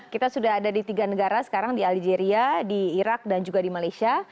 kita sudah ada di tiga negara sekarang di aligeria di irak dan juga di malaysia